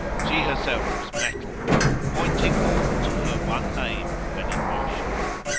She herself was metal, pointing all to her one aim when in motion.